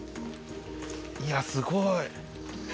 いやすごい。